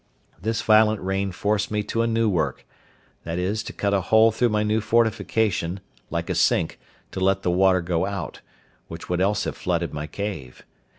This violent rain forced me to a new work—viz. to cut a hole through my new fortification, like a sink, to let the water go out, which would else have flooded my cave.